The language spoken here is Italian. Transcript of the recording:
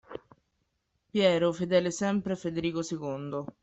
Piero fedele sempre a Federico II